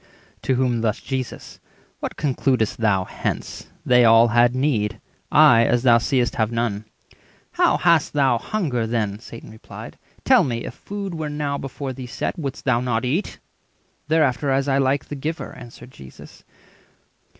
To whom thus Jesus:—"What conclud'st thou hence? They all had need; I, as thou seest, have none." "How hast thou hunger then?" Satan replied. "Tell me, if food were now before thee set, 320 Wouldst thou not eat?" "Thereafter as I like the giver," answered Jesus.